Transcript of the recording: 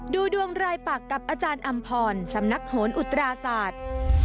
ดูดวงรายปักกับอาจารย์อำพรสำนักโหนอุตราศาสตร์